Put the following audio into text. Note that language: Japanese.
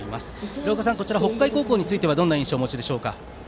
廣岡さん、北海高校についてはどんな印象をお持ちですか。